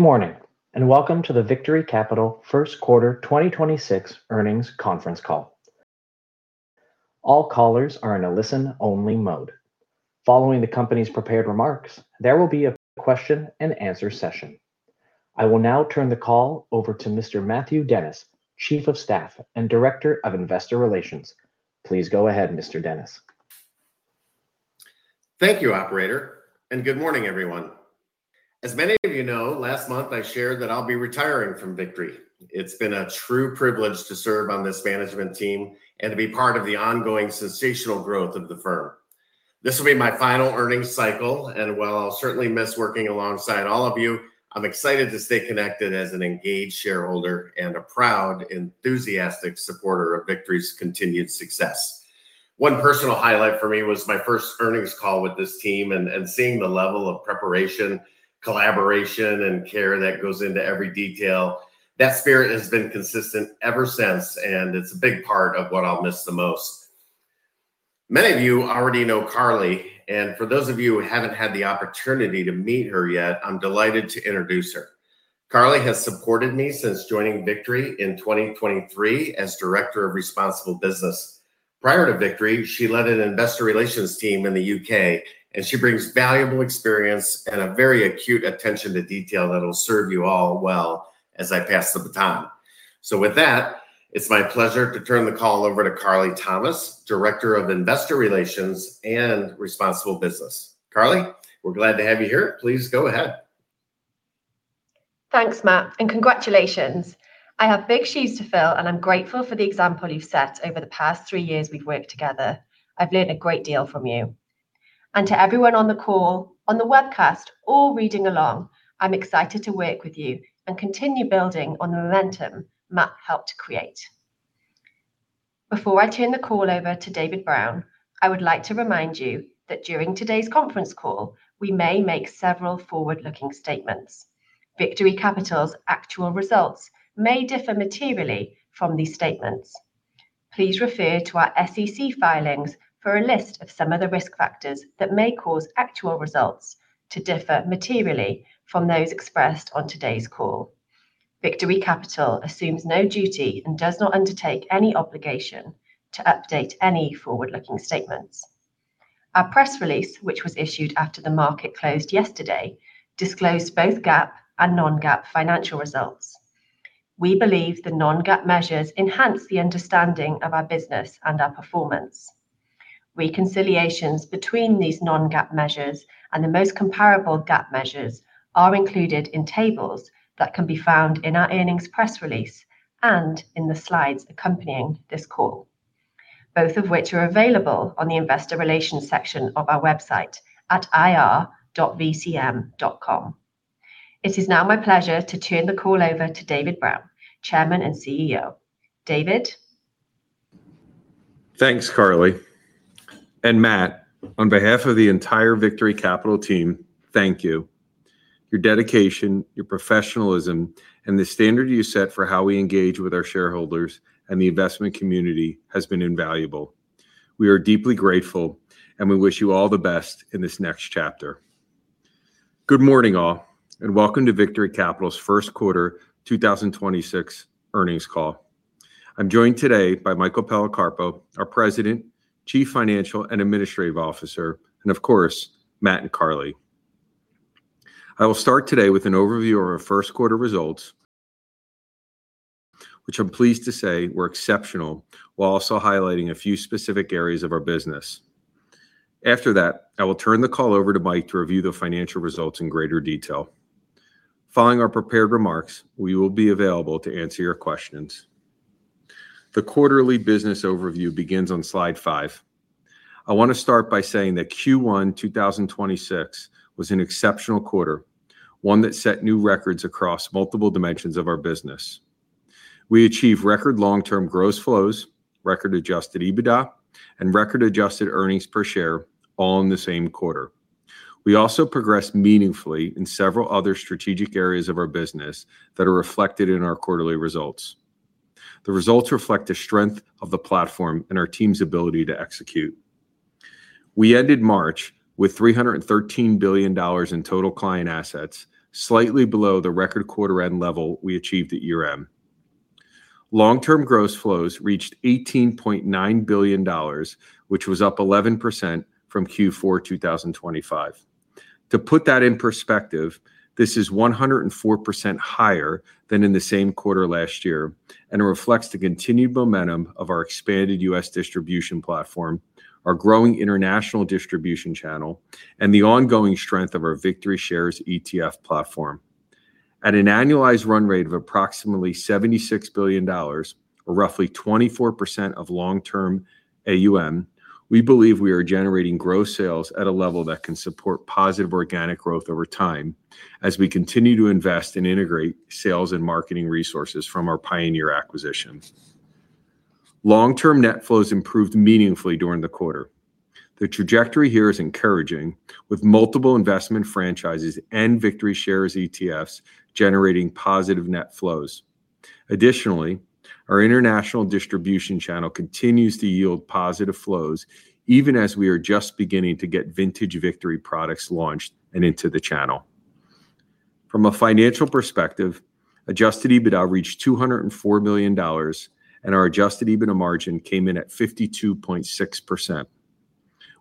Good morning, welcome to the Victory Capital first quarter 2026 earnings conference call. All callers are in a listen only mode. Following the company's prepared remarks, there will be a question-and-answer session. I will now turn the call over to Mr. Matthew Dennis, Chief of Staff and Director of Investor Relations. Please go ahead, Mr. Dennis. Thank you, operator. Good morning, everyone. As many of you know, last month I shared that I'll be retiring from Victory. It's been a true privilege to serve on this management team and to be part of the ongoing sensational growth of the firm. This will be my final earnings cycle, and while I'll certainly miss working alongside all of you, I'm excited to stay connected as an engaged shareholder and a proud, enthusiastic supporter of Victory's continued success. One personal highlight for me was my first earnings call with this team and seeing the level of preparation, collaboration, and care that goes into every detail. That spirit has been consistent ever since, and it's a big part of what I'll miss the most. Many of you already know Carly, and for those of you who haven't had the opportunity to meet her yet, I'm delighted to introduce her. Carly has supported me since joining Victory in 2023 as Director of Responsible Business. Prior to Victory, she led an investor relations team in the U.K., she brings valuable experience and a very acute attention to detail that'll serve you all well as I pass the baton. With that, it's my pleasure to turn the call over to Carly Thomas, Director of Investor Relations and Responsible Business. Carly, we're glad to have you here. Please go ahead. Thanks, Matt, and congratulations. I have big shoes to fill, and I'm grateful for the example you've set over the past three years we've worked together. I've learned a great deal from you. To everyone on the call, on the webcast or reading along, I'm excited to work with you and continue building on the momentum Matt helped create. Before I turn the call over to David Brown, I would like to remind you that during today's conference call, we may make several forward-looking statements. Victory Capital's actual results may differ materially from these statements. Please refer to our SEC filings for a list of some of the risk factors that may cause actual results to differ materially from those expressed on today's call. Victory Capital assumes no duty and does not undertake any obligation to update any forward-looking statements. Our press release, which was issued after the market closed yesterday, disclosed both GAAP and non-GAAP financial results. We believe the non-GAAP measures enhance the understanding of our business and our performance. Reconciliations between these non-GAAP measures and the most comparable GAAP measures are included in tables that can be found in our earnings press release and in the slides accompanying this call, both of which are available on the investor relations section of our website at ir.vcm.com. It is now my pleasure to turn the call over to David Brown, Chairman and CEO. David. Thanks, Carly. Matt, on behalf of the entire Victory Capital team, thank you. Your dedication, your professionalism, and the standard you set for how we engage with our shareholders and the investment community has been invaluable. We are deeply grateful, and we wish you all the best in this next chapter. Good morning, all, and welcome to Victory Capital's first quarter 2026 earnings call. I'm joined today by Michael Policarpo, our President, Chief Financial and Administrative Officer, and of course, Matt and Carly. I will start today with an overview of our first quarter results, which I'm pleased to say were exceptional, while also highlighting a few specific areas of our business. After that, I will turn the call over to Mike to review the financial results in greater detail. Following our prepared remarks, we will be available to answer your questions. The quarterly business overview begins on slide five. I want to start by saying that Q1 2026 was an exceptional quarter, one that set new records across multiple dimensions of our business. We achieved record long-term gross flows, record adjusted EBITDA, and record adjusted earnings per share all in the same quarter. We also progressed meaningfully in several other strategic areas of our business that are reflected in our quarterly results. The results reflect the strength of the platform and our team's ability to execute. We ended March with $313 billion in total client assets, slightly below the record quarter end level we achieved at year-end. Long-term gross flows reached $18.9 billion, which was up 11% from Q4 2025. To put that in perspective, this is 104% higher than in the same quarter last year and reflects the continued momentum of our expanded U.S. distribution platform, our growing international distribution channel, and the ongoing strength of our VictoryShares ETF platform. At an annualized run rate of approximately $76 billion, or roughly 24% of long-term AUM, we believe we are generating gross sales at a level that can support positive organic growth over time as we continue to invest and integrate sales and marketing resources from our Pioneer acquisitions. Long-term net flows improved meaningfully during the quarter. The trajectory here is encouraging, with multiple investment franchises and VictoryShares ETFs generating positive net flows. Additionally, our international distribution channel continues to yield positive flows even as we are just beginning to get Vintage Victory products launched and into the channel. From a financial perspective, adjusted EBITDA reached $204 million, and our adjusted EBITDA margin came in at 52.6%.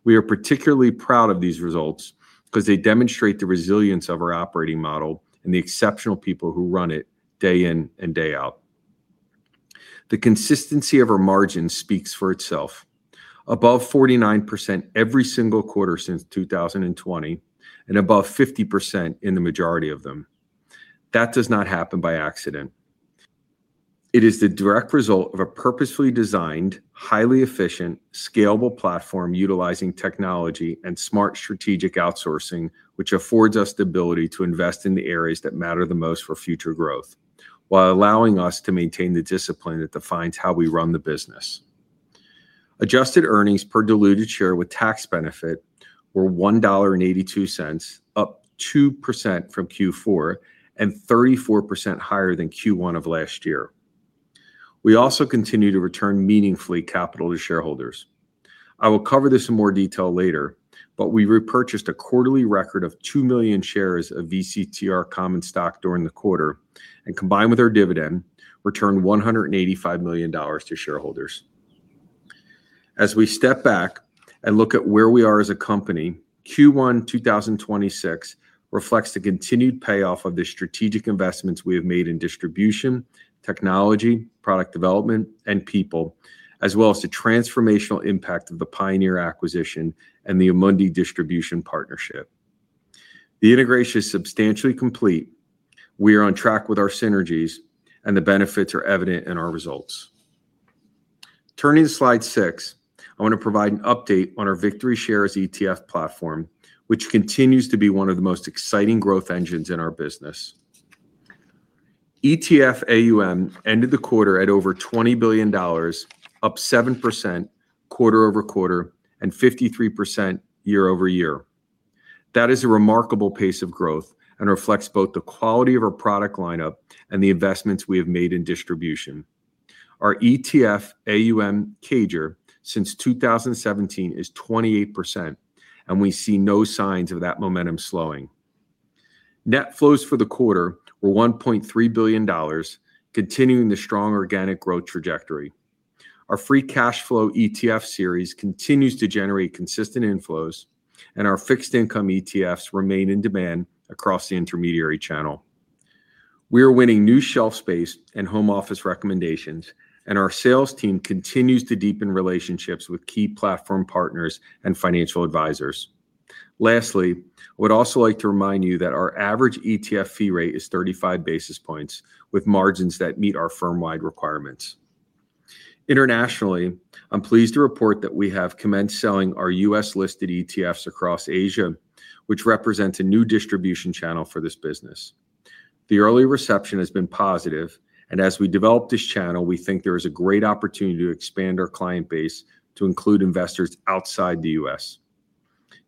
We are particularly proud of these results because they demonstrate the resilience of our operating model and the exceptional people who run it day in and day out. The consistency of our margin speaks for itself. Above 49% every single quarter since 2020, and above 50% in the majority of them. That does not happen by accident. It is the direct result of a purposefully designed, highly efficient, scalable platform utilizing technology and smart strategic outsourcing, which affords us the ability to invest in the areas that matter the most for future growth while allowing us to maintain the discipline that defines how we run the business. Adjusted earnings per diluted share with tax benefit were $1.82, up 2% from Q4 and 34% higher than Q1 of last year. We also continue to return meaningfully capital to shareholders. I will cover this in more detail later, but we repurchased a quarterly record of 2 million shares of VCTR common stock during the quarter, and combined with our dividend, returned $185 million to shareholders. As we step back and look at where we are as a company, Q1 2026 reflects the continued payoff of the strategic investments we have made in distribution, technology, product development, and people, as well as the transformational impact of the Pioneer acquisition and the Amundi distribution partnership. The integration is substantially complete. We are on track with our synergies, and the benefits are evident in our results. Turning to slide six, I want to provide an update on our VictoryShares ETF platform, which continues to be one of the most exciting growth engines in our business. ETF AUM ended the quarter at over $20 billion, up 7% quarter-over-quarter and 53% year-over-year. That is a remarkable pace of growth and reflects both the quality of our product lineup and the investments we have made in distribution. Our ETF AUM CAGR since 2017 is 28%. We see no signs of that momentum slowing. Net flows for the quarter were $1.3 billion, continuing the strong organic growth trajectory. Our Free Cash Flow ETF suite continues to generate consistent inflows. Our fixed income ETFs remain in demand across the intermediary channel. We are winning new shelf space and home office recommendations, and our sales team continues to deepen relationships with key platform partners and financial advisors. Lastly, I would also like to remind you that our average ETF fee rate is 35 basis points with margins that meet our firm-wide requirements. Internationally, I'm pleased to report that we have commenced selling our U.S.-listed ETFs across Asia, which represents a new distribution channel for this business. The early reception has been positive, and as we develop this channel, we think there is a great opportunity to expand our client base to include investors outside the U.S.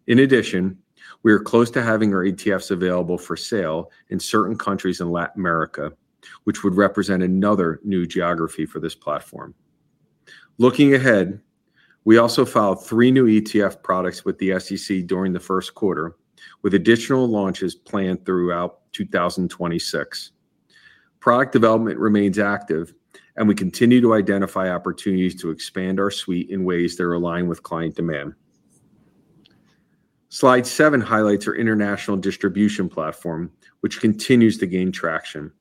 In addition, we are close to having our ETFs available for sale in certain countries in Latin America, which would represent another new geography for this platform. Looking ahead, we also filed three new ETF products with the SEC during the first quarter, with additional launches planned throughout 2026. Product development remains active, and we continue to identify opportunities to expand our suite in ways that are aligned with client demand. Slide seven highlights our international distribution platform, which continues to gain traction.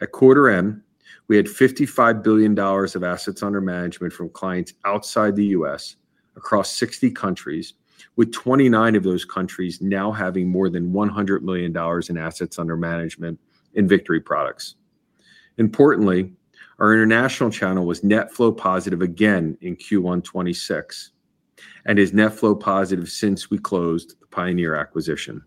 At quarter end, we had $55 billion of AUM from clients outside the U.S. across 60 countries, with 29 of those countries now having more than $100 million in AUM in Victory products. Importantly, our international channel was net flow positive again in Q1 2026 and is net flow positive since we closed the Pioneer acquisition.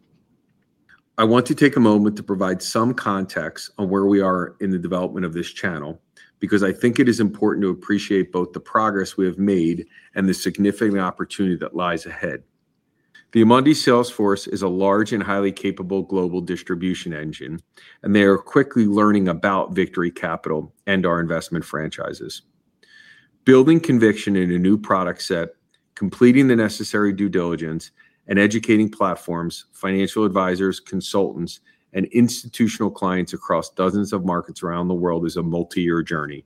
I want to take a moment to provide some context on where we are in the development of this channel because I think it is important to appreciate both the progress we have made and the significant opportunity that lies ahead. The Amundi sales force is a large and highly capable global distribution engine, and they are quickly learning about Victory Capital and our investment franchises. Building conviction in a new product set, completing the necessary due diligence, and educating platforms, financial advisors, consultants, and institutional clients across dozens of markets around the world is a multi-year journey.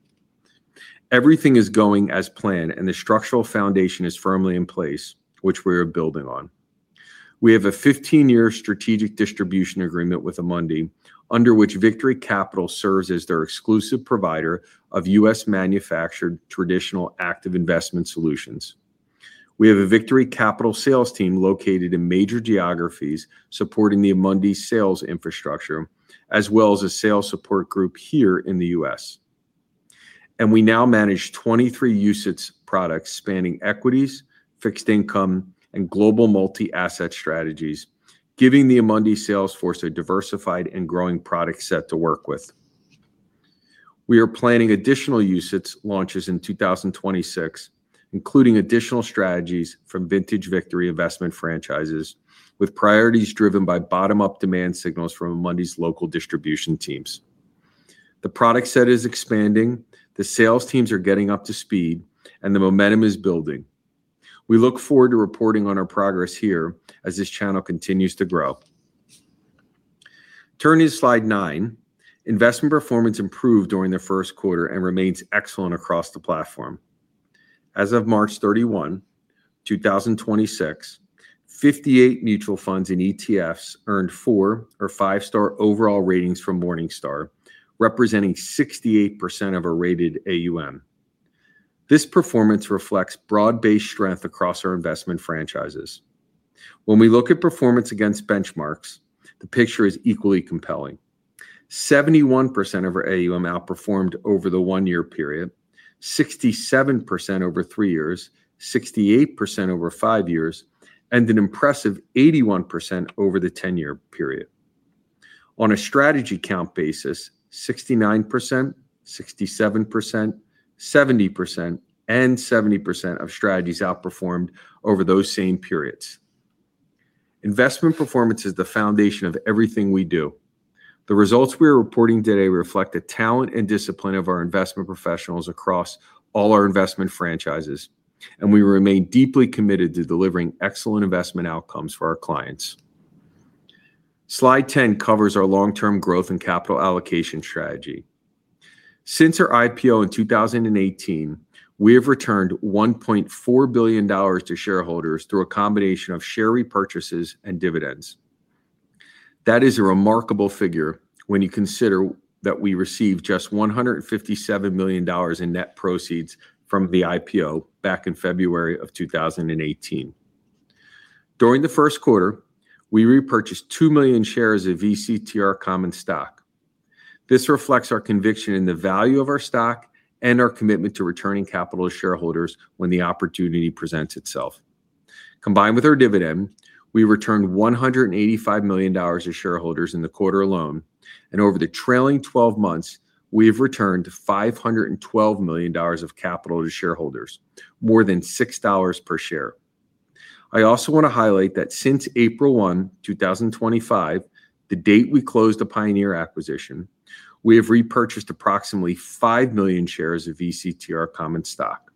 Everything is going as planned, and the structural foundation is firmly in place, which we are building on. We have a 15-year strategic distribution agreement with Amundi, under which Victory Capital serves as their exclusive provider of U.S.-manufactured traditional active investment solutions. We have a Victory Capital sales team located in major geographies supporting the Amundi sales infrastructure, as well as a sales support group here in the U.S. We now manage 23 UCITS products spanning equities, fixed income, and global multi-asset strategies, giving the Amundi sales force a diversified and growing product set to work with. We are planning additional UCITS launches in 2026, including additional strategies from Vintage Victory investment franchises, with priorities driven by bottom-up demand signals from Amundi's local distribution teams. The product set is expanding, the sales teams are getting up to speed, and the momentum is building. We look forward to reporting on our progress here as this channel continues to grow. Turning to slide nine, investment performance improved during the first quarter and remains excellent across the platform. As of March 31, 2026, 58 mutual funds and ETFs earned four or five-star overall ratings from Morningstar, representing 68% of our rated AUM. This performance reflects broad-based strength across our investment franchises. When we look at performance against benchmarks, the picture is equally compelling. 71% of our AUM outperformed over the one-year period, 67% over three years, 68% over five years, and an impressive 81% over the 10-year period. On a strategy count basis, 69%, 67%, 70%, and 70% of strategies outperformed over those same periods. Investment performance is the foundation of everything we do. The results we are reporting today reflect the talent and discipline of our investment professionals across all our investment franchises, and we remain deeply committed to delivering excellent investment outcomes for our clients. Slide 10 covers our long-term growth and capital allocation strategy. Since our IPO in 2018, we have returned $1.4 billion to shareholders through a combination of share repurchases and dividends. That is a remarkable figure when you consider that we received just $157 million in net proceeds from the IPO back in February of 2018. During the first quarter, we repurchased 2 million shares of VCTR common stock. This reflects our conviction in the value of our stock and our commitment to returning capital to shareholders when the opportunity presents itself. Combined with our dividend, we returned $185 million to shareholders in the quarter alone, and over the trailing 12 months, we have returned $512 million of capital to shareholders, more than $6 per share. I also want to highlight that since April 1, 2025, the date we closed the Pioneer acquisition, we have repurchased approximately 5 million shares of VCTR common stock.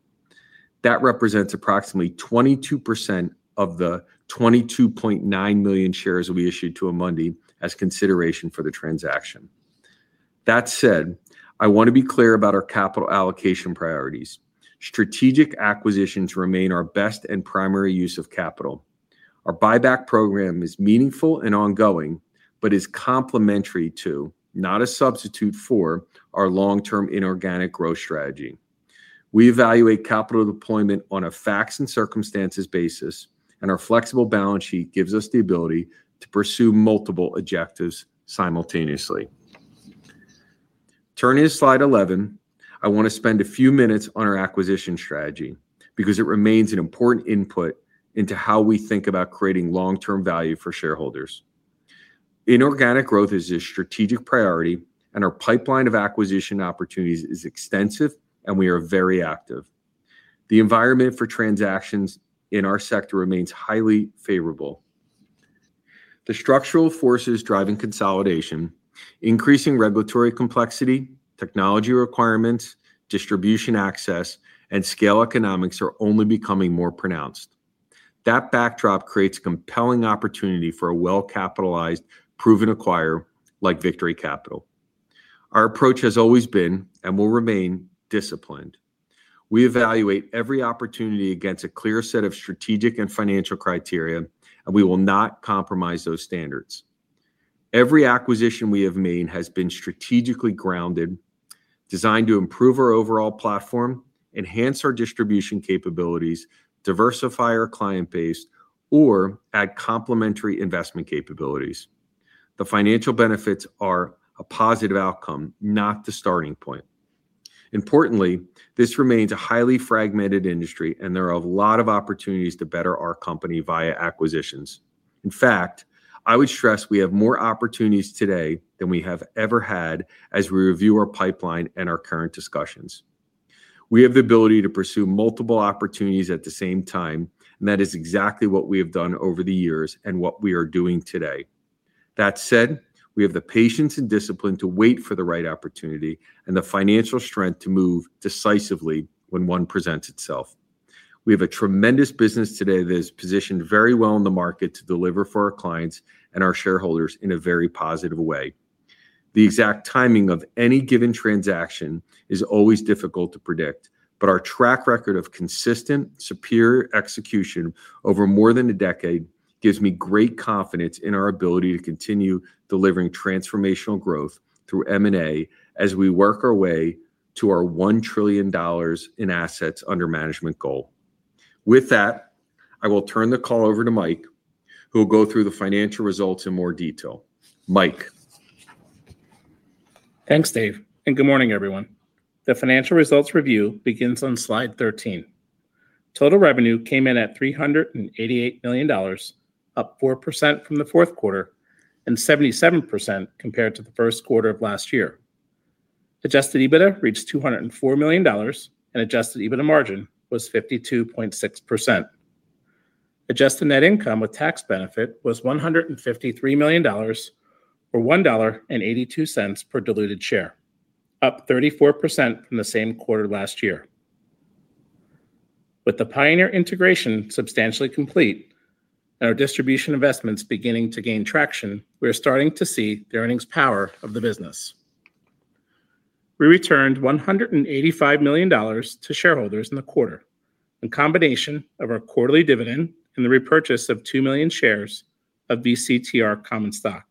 That represents approximately 22% of the 22.9 million shares that we issued to Amundi as consideration for the transaction. That said, I want to be clear about our capital allocation priorities. Strategic acquisitions remain our best and primary use of capital. Our buyback program is meaningful and ongoing, but is complementary to, not a substitute for, our long-term inorganic growth strategy. We evaluate capital deployment on a facts and circumstances basis, and our flexible balance sheet gives us the ability to pursue multiple objectives simultaneously. Turning to slide 11, I want to spend a few minutes on our acquisition strategy because it remains an important input into how we think about creating long-term value for shareholders. Inorganic growth is a strategic priority, and our pipeline of acquisition opportunities is extensive, and we are very active. The environment for transactions in our sector remains highly favorable. The structural forces driving consolidation, increasing regulatory complexity, technology requirements, distribution access, and scale economics are only becoming more pronounced. That backdrop creates compelling opportunity for a well-capitalized, proven acquirer like Victory Capital. Our approach has always been, and will remain, disciplined. We evaluate every opportunity against a clear set of strategic and financial criteria, and we will not compromise those standards. Every acquisition we have made has been strategically grounded, designed to improve our overall platform, enhance our distribution capabilities, diversify our client base, or add complementary investment capabilities. The financial benefits are a positive outcome, not the starting point. Importantly, this remains a highly fragmented industry, and there are a lot of opportunities to better our company via acquisitions. In fact, I would stress we have more opportunities today than we have ever had as we review our pipeline and our current discussions. We have the ability to pursue multiple opportunities at the same time, and that is exactly what we have done over the years and what we are doing today. That said, we have the patience and discipline to wait for the right opportunity and the financial strength to move decisively when one presents itself. We have a tremendous business today that is positioned very well in the market to deliver for our clients and our shareholders in a very positive way. The exact timing of any given transaction is always difficult to predict, but our track record of consistent, superior execution over more than a decade gives me great confidence in our ability to continue delivering transformational growth through M&A as we work our way to our $1 trillion in assets under management goal. With that, I will turn the call over to Mike, who will go through the financial results in more detail. Mike. Thanks, Dave, and good morning, everyone. The financial results review begins on slide 13. Total revenue came in at $388 million, up 4% from the fourth quarter and 77% compared to the first quarter of last year. Adjusted EBITDA reached $204 million, and adjusted EBITDA margin was 52.6%. Adjusted net income with tax benefit was $153 million or $1.82 per diluted share, up 34% from the same quarter last year. With the Pioneer integration substantially complete and our distribution investments beginning to gain traction, we are starting to see the earnings power of the business. We returned $185 million to shareholders in the quarter, a combination of our quarterly dividend and the repurchase of 2 million shares of VCTR common stock.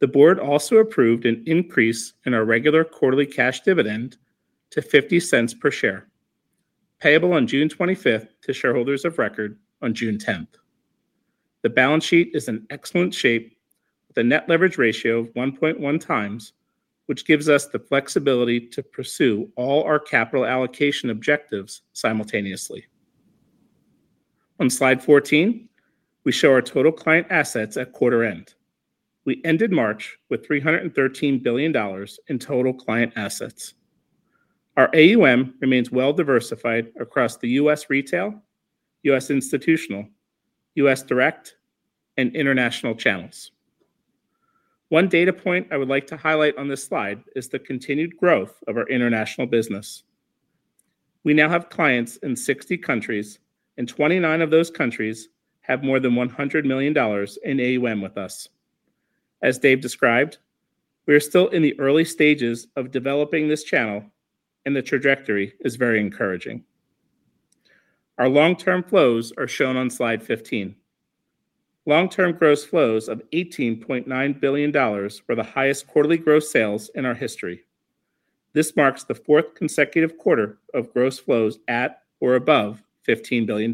The board also approved an increase in our regular quarterly cash dividend to $0.50 per share, payable on June 25th to shareholders of record on June 10th. The balance sheet is in excellent shape with a net leverage ratio of 1.1x, which gives us the flexibility to pursue all our capital allocation objectives simultaneously. On slide 14, we show our total client assets at quarter end. We ended March with $313 billion in total client assets. Our AUM remains well-diversified across the US retail, US institutional, US direct, and international channels. One data point I would like to highlight on this slide is the continued growth of our international business. We now have clients in 60 countries, and 29 of those countries have more than $100 million in AUM with us. As Dave described, we are still in the early stages of developing this channel, and the trajectory is very encouraging. Our long-term flows are shown on slide 15. Long-term gross flows of $18.9 billion were the highest quarterly gross sales in our history. This marks the fourth consecutive quarter of gross flows at or above $15 billion.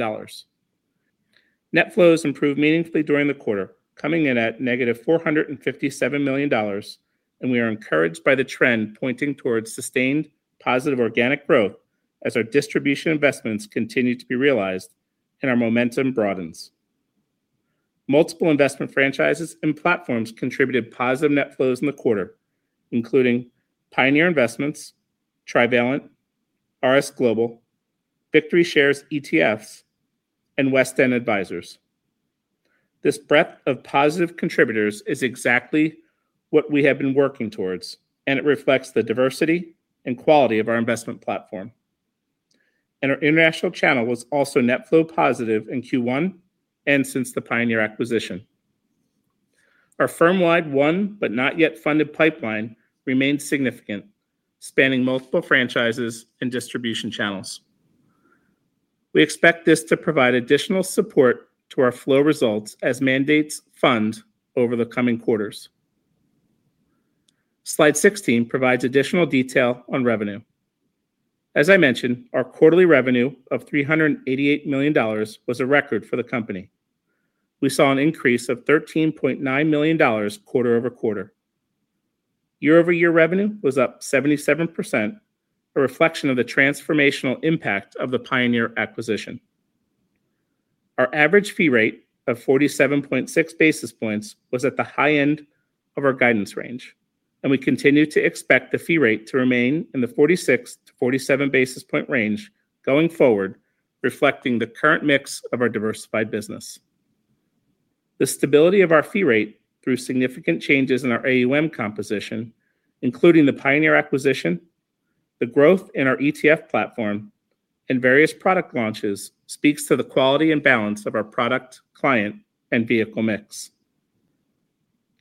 Net flows improved meaningfully during the quarter, coming in at -$457 million, and we are encouraged by the trend pointing towards sustained positive organic growth as our distribution investments continue to be realized and our momentum broadens. Multiple investment franchises and platforms contributed positive net flows in the quarter, including Pioneer Investments, Trivalent, RS Global, VictoryShares ETFs, and WestEnd Advisors. This breadth of positive contributors is exactly what we have been working towards, and it reflects the diversity and quality of our investment platform. Our international channel was also net flow positive in Q1 and since the Pioneer acquisition. Our firm-wide won but not yet funded pipeline remains significant, spanning multiple franchises and distribution channels. We expect this to provide additional support to our flow results as mandates fund over the coming quarters. Slide 16 provides additional detail on revenue. As I mentioned, our quarterly revenue of $388 million was a record for the company. We saw an increase of $13.9 million quarter-over-quarter. year-over-year revenue was up 77%, a reflection of the transformational impact of the Pioneer acquisition. Our average fee rate of 47.6 basis points was at the high end of our guidance range, and we continue to expect the fee rate to remain in the 46-47 basis point range going forward, reflecting the current mix of our diversified business. The stability of our fee rate through significant changes in our AUM composition, including the Pioneer acquisition, the growth in our ETF platform, and various product launches, speaks to the quality and balance of our product, client, and vehicle mix.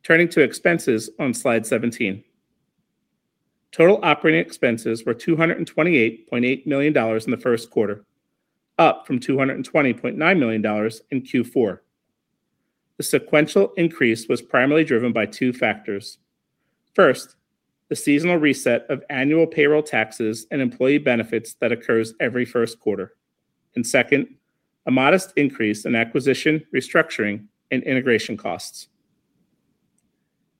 Turning to expenses on slide 17. Total operating expenses were $228.8 million in the first quarter, up from $220.9 million in Q4. The sequential increase was primarily driven by two factors. First, the seasonal reset of annual payroll taxes and employee benefits that occurs every first quarter. Second, a modest increase in acquisition, restructuring, and integration costs.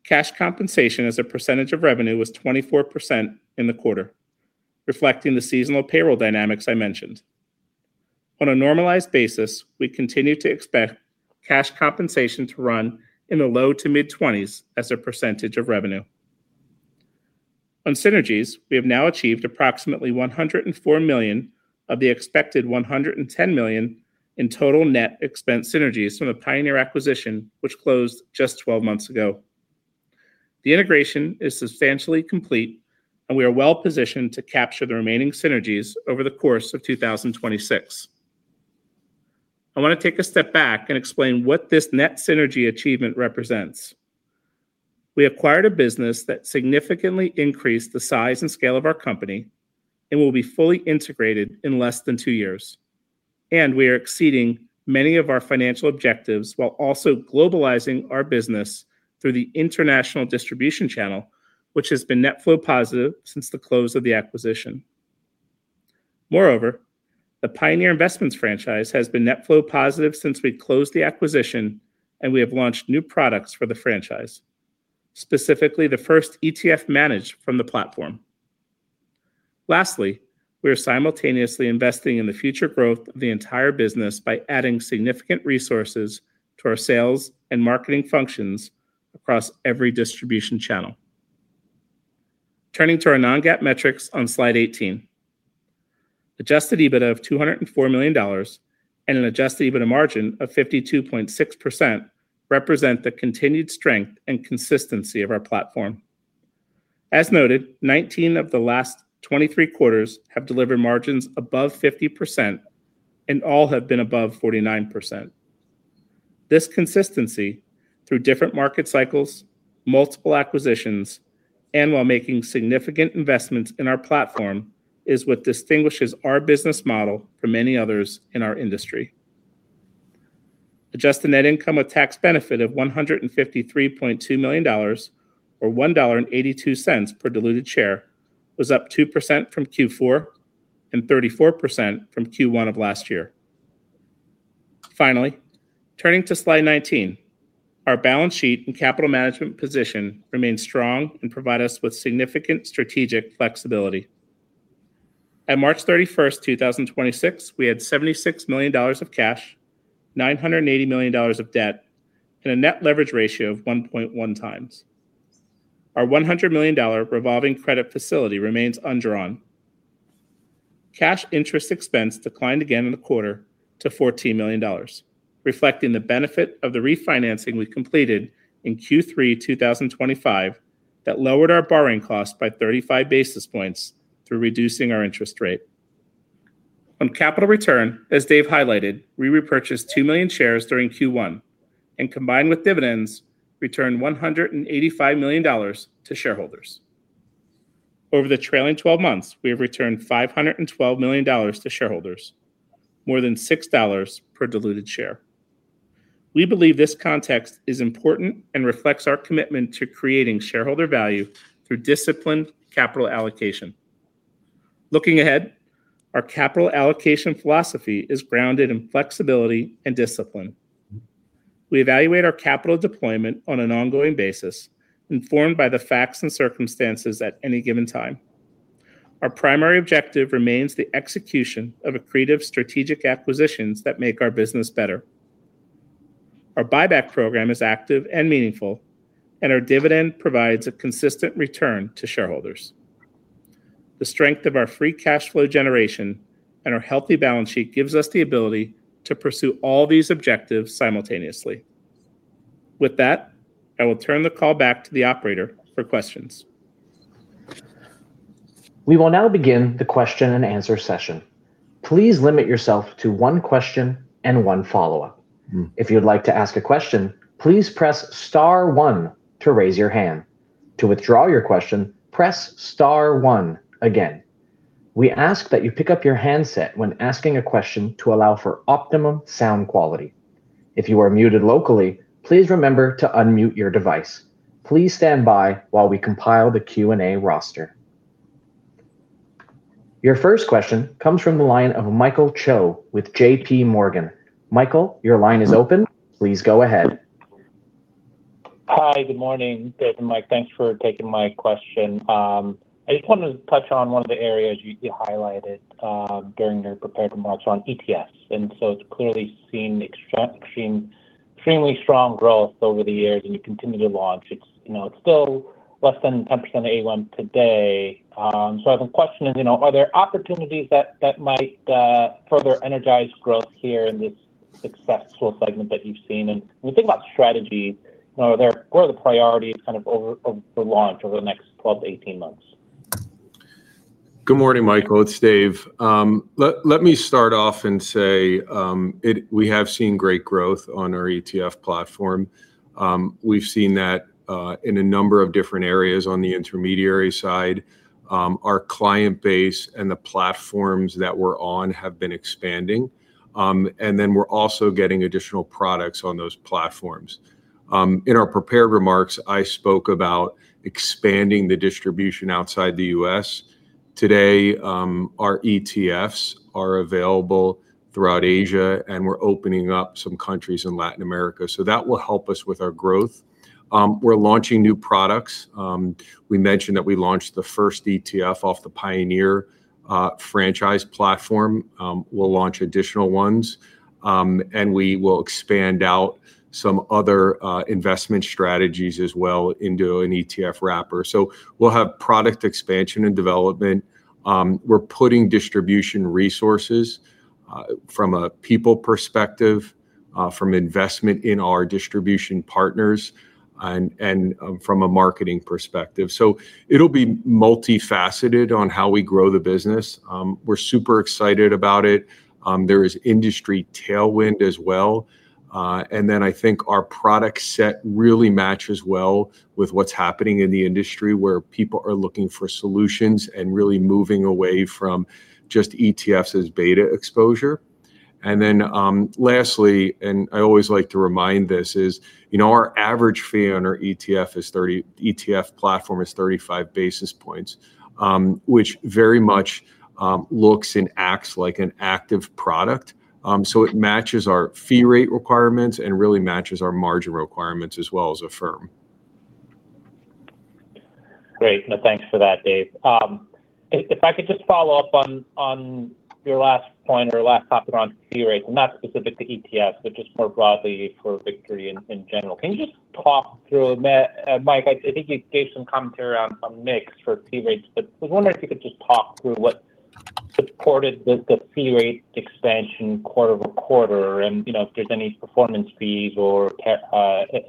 Cash compensation as a percentage of revenue was 24% in the quarter, reflecting the seasonal payroll dynamics I mentioned. On a normalized basis, we continue to expect cash compensation to run in the low to mid-20s as a percentage of revenue. On synergies, we have now achieved approximately $104 million of the expected $110 million in total net expense synergies from the Pioneer acquisition, which closed just 12 months ago. The integration is substantially complete, and we are well-positioned to capture the remaining synergies over the course of 2026. I want to take a step back and explain what this net synergy achievement represents. We acquired a business that significantly increased the size and scale of our company and will be fully integrated in less than two years. We are exceeding many of our financial objectives while also globalizing our business through the international distribution channel, which has been net flow positive since the close of the acquisition. Moreover, the Pioneer Investments franchise has been net flow positive since we closed the acquisition, and we have launched new products for the franchise, specifically the first ETF managed from the platform. Lastly, we are simultaneously investing in the future growth of the entire business by adding significant resources to our sales and marketing functions across every distribution channel. Turning to our non-GAAP metrics on slide 18. Adjusted EBITDA of $204 million and an adjusted EBITDA margin of 52.6% represent the continued strength and consistency of our platform. As noted, 19 of the last 23 quarters have delivered margins above 50% and all have been above 49%. This consistency through different market cycles, multiple acquisitions, and while making significant investments in our platform is what distinguishes our business model from many others in our industry. Adjusted net income with tax benefit of $153.2 million, or $1.82 per diluted share, was up 2% from Q4 and 34% from Q1 of last year. Turning to slide 19. Our balance sheet and capital management position remain strong and provide us with significant strategic flexibility. At March 31st, 2026, we had $76 million of cash, $980 million of debt, and a net leverage ratio of 1.1x. Our $100 million revolving credit facility remains undrawn. Cash interest expense declined again in the quarter to $14 million, reflecting the benefit of the refinancing we completed in Q3 2025 that lowered our borrowing cost by 35 basis points through reducing our interest rate. On capital return, as Dave highlighted, we repurchased 2 million shares during Q1, and combined with dividends, returned $185 million to shareholders. Over the trailing 12 months, we have returned $512 million to shareholders, more than $6 per diluted share. We believe this context is important and reflects our commitment to creating shareholder value through disciplined capital allocation. Looking ahead, our capital allocation philosophy is grounded in flexibility and discipline. We evaluate our capital deployment on an ongoing basis, informed by the facts and circumstances at any given time. Our primary objective remains the execution of accretive strategic acquisitions that make our business better. Our buyback program is active and meaningful, and our dividend provides a consistent return to shareholders. The strength of our free cash flow generation and our healthy balance sheet gives us the ability to pursue all these objectives simultaneously. With that, I will turn the call back to the operator for questions. Will now begin the question-and-answer section please limit yourself to one question and one follow-up. If you would like ask a question please press star one to raise your hand to withdraw your press star one again .We ask that you pick up the handset when asking your question to allow for optimum sound quality .If your are muted locally please remember to unmute your device .Please stand by as while compile the Q&A roaster. Your first question comes from the line of Michael Cho with JPMorgan. Michael, your line is open. Please go ahead. Hi, good morning, Dave and Mike. Thanks for taking my question. I just wanted to touch on one of the areas you highlighted during your prepared remarks on ETFs. It's clearly seen extremely strong growth over the years, and you continue to launch. It's, you know, it's still less than 10% of AUM today. I have a question is, you know, are there opportunities that might further energize growth here in this successful segment that you've seen? When you think about strategy, you know, what are the priorities kind of over the launch over the next 12-18 months? Good morning, Michael. It's Dave. Let me start off. We have seen great growth on our ETF platform. We've seen that in a number of different areas on the intermediary side. Our client base and the platforms that we're on have been expanding. We're also getting additional products on those platforms. In our prepared remarks, I spoke about expanding the distribution outside the U.S. Today, our ETFs are available throughout Asia. We're opening up some countries in Latin America. That will help us with our growth. We're launching new products. We mentioned that we launched the first ETF off the Pioneer franchise platform. We'll launch additional ones. We will expand out some other investment strategies as well into an ETF wrapper. We'll have product expansion and development. We're putting distribution resources from a people perspective, from investment in our distribution partners and from a marketing perspective. It'll be multifaceted on how we grow the business. We're super excited about it. There is industry tailwind as well. I think our product set really matches well with what's happening in the industry, where people are looking for solutions and really moving away from just ETFs as beta exposure. Lastly, and I always like to remind this, is, you know, our average fee on our ETF platform is 35 basis points, which very much looks and acts like an active product. It matches our fee rate requirements and really matches our margin requirements as well as a firm. Great. No, thanks for that, Dave. If I could just follow up on your last point or last topic on fee rates, and not specific to ETFs, but just more broadly for Victory Capital in general. Can you just talk through Michael Policarpo, I think you gave some commentary on mix for fee rates. I was wondering if you could just talk through what supported the fee rate expansion quarter-over-quarter and, you know, if there's any performance fees or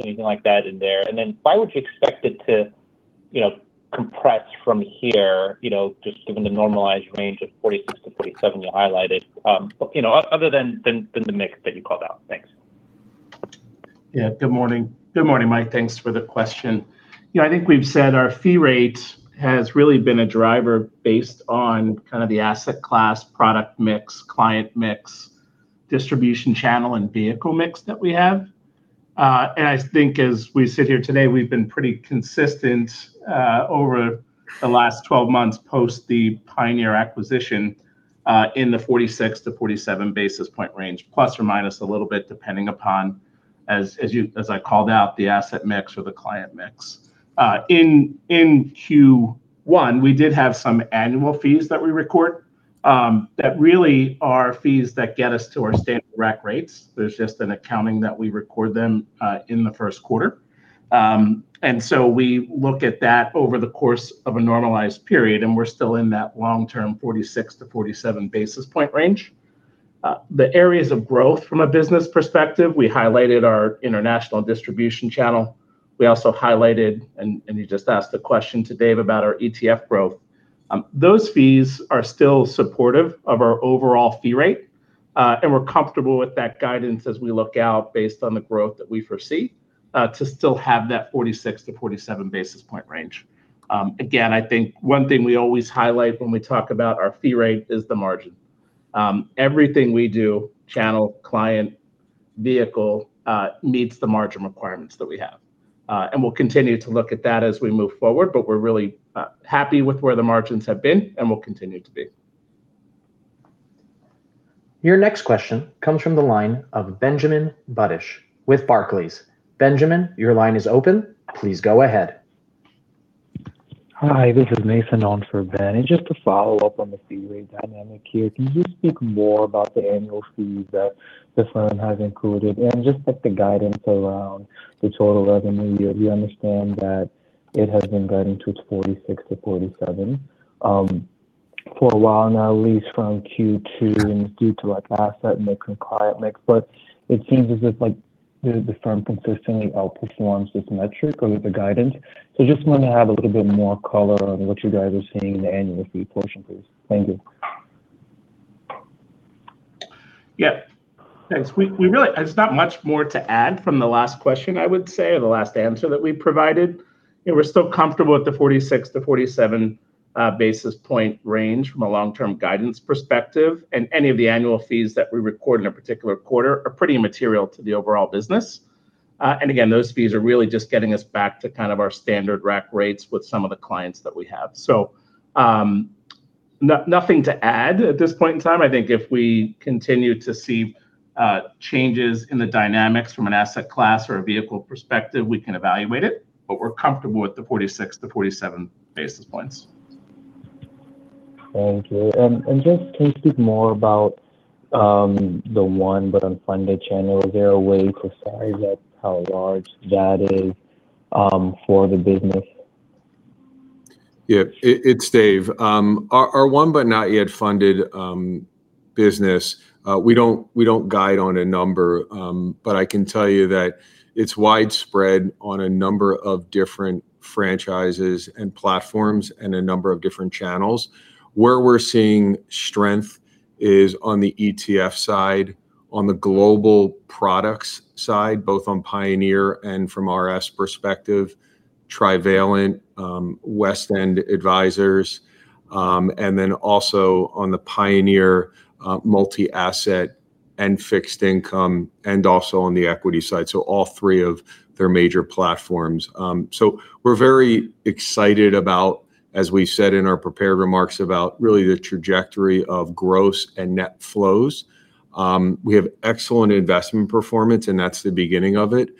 anything like that in there. Then why would you expect it to, you know, compress from here, you know, just given the normalized range of 46-47 you highlighted, other than the mix that you called out. Thanks. Good morning. Good morning, Mike. Thanks for the question. You know, I think we've said our fee rate has really been a driver based on kind of the asset class, product mix, client mix, distribution channel and vehicle mix that we have. I think as we sit here today, we've been pretty consistent over the last 12 months post the Pioneer Investments acquisition, in the 46 to 47 basis point range, plus or minus a little bit depending upon, as you, as I called out, the asset mix or the client mix. In Q1, we did have some annual fees that we record that really are fees that get us to our standard rack rates. There's just an accounting that we record them in the first quarter. We look at that over the course of a normalized period, and we're still in that long-term 46-47 basis point range. The areas of growth from a business perspective, we highlighted our international distribution channel. We also highlighted, and you just asked the question to Dave about our ETF growth. Those fees are still supportive of our overall fee rate, and we're comfortable with that guidance as we look out based on the growth that we foresee, to still have that 46-47 basis point range. Again, I think one thing we always highlight when we talk about our fee rate is the margin. Everything we do, channel, client, vehicle, meets the margin requirements that we have. We'll continue to look at that as we move forward, but we're really happy with where the margins have been and will continue to be. Your next question comes from the line of Benjamin Budish with Barclays. Benjamin, your line is open. Please go ahead. Hi, this is Nathan on for Ben. Just to follow up on the fee rate dynamic here, can you just speak more about the annual fees that the firm has included, and just like the guidance around the total revenue? We understand that it has been guiding to 46- 47 for a while now, at least from Q2, and it's due to like asset mix and client mix. It seems as if like the firm consistently outperforms this metric or the guidance. Just wanted to have a little bit more color on what you guys are seeing in the annual fee portion, please. Thank you. Thanks. It's not much more to add from the last question, I would say, or the last answer that we provided. We're still comfortable with the 46 -47 basis point range from a long-term guidance perspective. Any of the annual fees that we record in a particular quarter are pretty immaterial to the overall business. Again, those fees are really just getting us back to kind of our standard rack rates with some of the clients that we have. Nothing to add at this point in time. I think if we continue to see changes in the dynamics from an asset class or a vehicle perspective, we can evaluate it, but we're comfortable with the 46- 47 basis points. Thank you. Just can you speak more about the one but unfunded channel? Is there a way to size up how large that is for the business? It's Dave. Our one but not yet funded business, we don't guide on a number. I can tell you that it's widespread on a number of different franchises and platforms and a number of different channels. Where we're seeing strength is on the ETF side, on the global products side, both on Pioneer Investments and from RS Investments perspective, Trivalent Investments, WestEnd Advisors, also on the Pioneer Investments multi-asset and fixed income, and also on the equity side. All three of their major platforms. We're very excited about, as we said in our prepared remarks, about really the trajectory of gross and net flows. We have excellent investment performance, that's the beginning of it.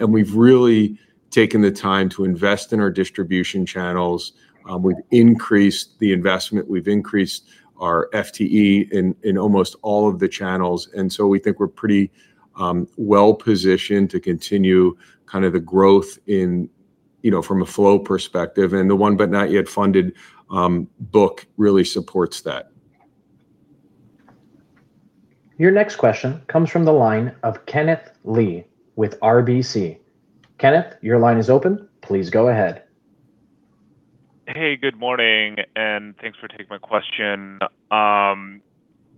We've really taken the time to invest in our distribution channels. We've increased the investment. We've increased our FTE in almost all of the channels. We think we're pretty well-positioned to continue kind of the growth in, you know, from a flow perspective. The one but not yet funded book really supports that. Your next question comes from the line of Kenneth Lee with RBC. Kenneth, your line is open. Please go ahead. Good morning, thanks for taking my question.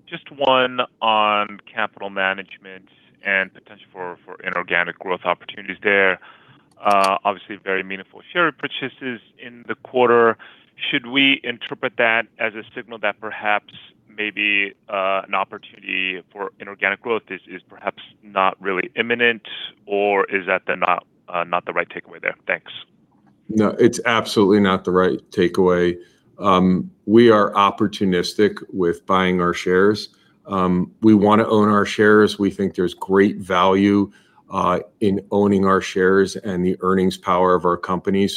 Just one on capital management and potential for inorganic growth opportunities there. Obviously very meaningful share purchases in the quarter. Should we interpret that as a signal that perhaps maybe an opportunity for inorganic growth is perhaps not really imminent, or is that the not the right takeaway there? Thanks. No, it's absolutely not the right takeaway. We are opportunistic with buying our shares. We wanna own our shares. We think there's great value in owning our shares and the earnings power of our company.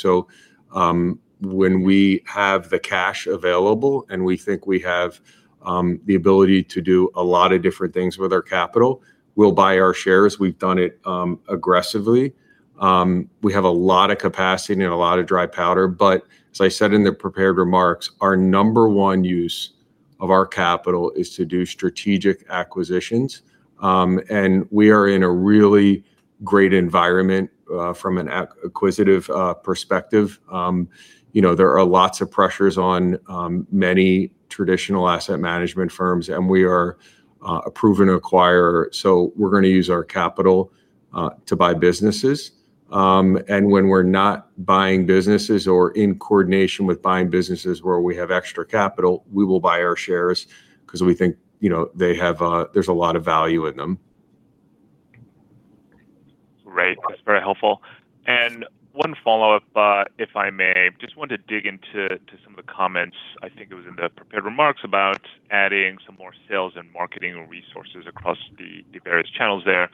When we have the cash available and we think we have the ability to do a lot of different things with our capital, we'll buy our shares. We've done it aggressively. We have a lot of capacity and a lot of dry powder, as I said in the prepared remarks, our number one use of our capital is to do strategic acquisitions. We are in a really great environment from an acquisitive perspective. You know, there are lots of pressures on many traditional asset management firms. We are a proven acquirer. We're gonna use our capital to buy businesses. When we're not buying businesses or in coordination with buying businesses where we have extra capital, we will buy our shares 'cause we think, you know, there's a lot of value in them Great. That's very helpful. One follow-up, if I may. Just wanted to dig into some of the comments, I think it was in the prepared remarks, about adding some more sales and marketing resources across the various channels there.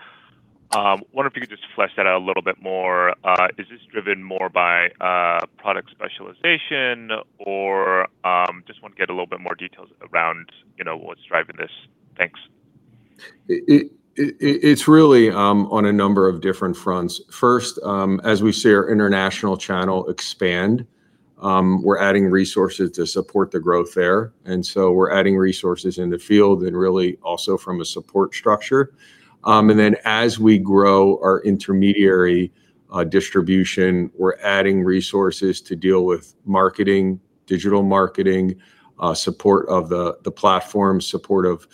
Wonder if you could just flesh that out a little bit more. Is this driven more by product specialization, or just want to get a little bit more details around, you know, what's driving this? Thanks. It's really on a number of different fronts. First, as we see our international channel expand, we're adding resources to support the growth there. We're adding resources in the field and really also from a support structure. As we grow our intermediary distribution, we're adding resources to deal with marketing, digital marketing, support of the platform, support of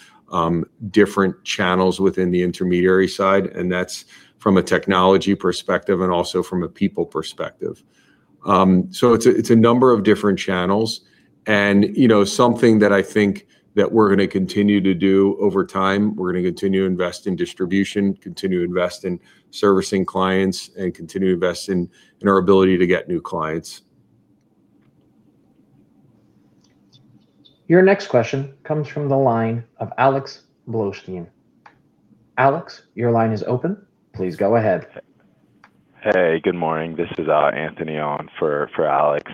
different channels within the intermediary side, and that's from a technology perspective and also from a people perspective. So it's a number of different channels, and, you know, something that I think that we're gonna continue to do over time, we're gonna continue to invest in distribution, continue to invest in servicing clients, and continue to invest in our ability to get new clients. Your next question comes from the line of Alexander Blostein. Alex, your line is open. Please go ahead. Hey. Good morning. This is Anthony on for Alex.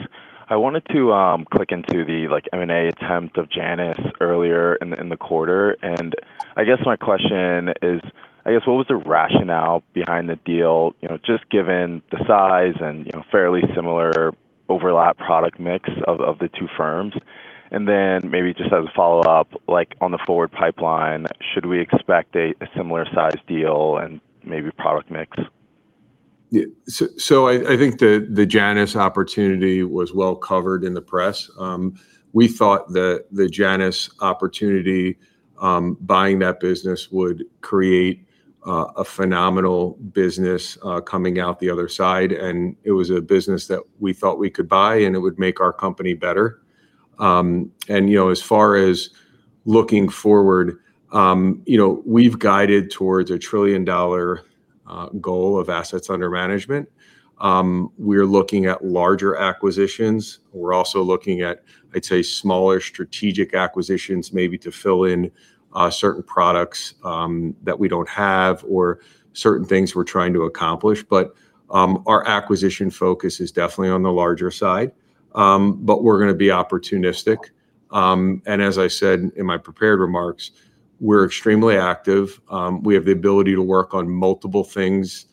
I wanted to click into the like M&A attempt of Janus earlier in the quarter. I guess my question is, what was the rationale behind the deal? You know, just given the size and, you know, fairly similar overlap product mix of the two firms. Maybe just as a follow-up, like on the forward pipeline, should we expect a similar size deal and maybe product mix? I think the Janus opportunity was well covered in the press. We thought the Janus opportunity, buying that business would create a phenomenal business coming out the other side, and it was a business that we thought we could buy, and it would make our company better. You know, as far as looking forward, you know, we've guided towards a $1 trillion goal of assets under management. We're looking at larger acquisitions. We're also looking at, I'd say, smaller strategic acquisitions maybe to fill in certain products that we don't have or certain things we're trying to accomplish. Our acquisition focus is definitely on the larger side. We're gonna be opportunistic. As I said in my prepared remarks, we're extremely active. We have the ability to work on multiple things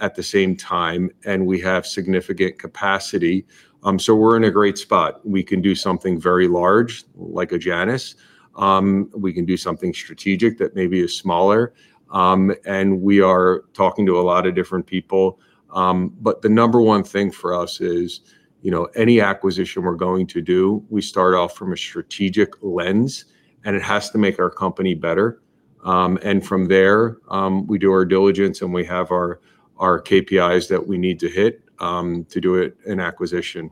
at the same time, and we have significant capacity. We're in a great spot. We can do something very large, like a Janus. We can do something strategic that maybe is smaller. We are talking to a lot of different people. The number one thing for us is, you know, any acquisition we're going to do, we start off from a strategic lens, and it has to make our company better. From there, we do our diligence, and we have our KPIs that we need to hit to do it in acquisition.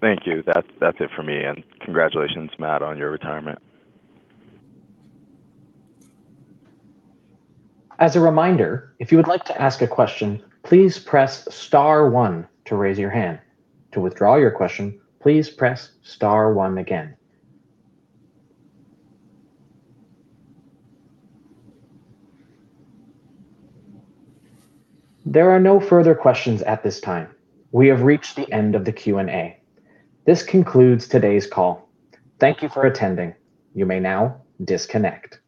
Thank you. That's it for me. Congratulations, Matt, on your retirement. As a reminder, if you would like to ask a question, please press star one to raise your hand. To withdraw your question, please press star one again. There are no further questions at this time. We have reached the end of the Q&A. This concludes today's call. Thank you for attending. You may now disconnect.